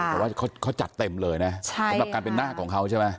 แต่ว่าเขาจัดเต็มเลยนะสำหรับการเป็นหน้าของเขาใช่ไหม